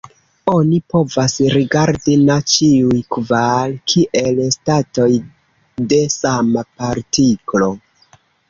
Oni povas rigardi na ĉiuj kvar kiel statoj de sama partiklo.